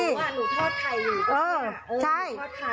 หนูว่าหนูทอดข่าวอยู่ครับพี่โอ้โฮทอดข่าวอยู่ครับใช่